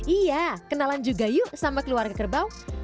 iya kenalan juga yuk sama keluarga kerbau